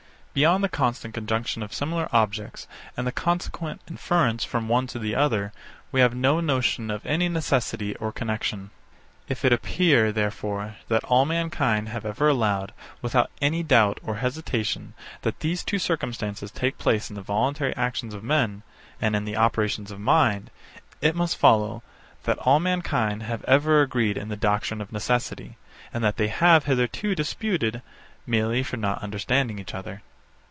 Beyond the constant conjunction of similar objects, and the consequent inference from one to the other, we have no notion of any necessity or connexion. If it appear, therefore, that all mankind have ever allowed, without any doubt or hesitation, that these two circumstances take place in the voluntary actions of men, and in the operations of mind; it must follow, that all mankind have ever agreed in the doctrine of necessity, and that they have hitherto disputed, merely for not understanding each other.